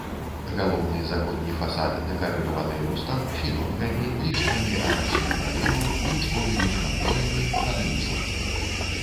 Галоўны заходні фасад дэкарыраваны рустам, філёнгамі, ліштвамі арачных праёмаў, лучковымі франтонамі, карнізам.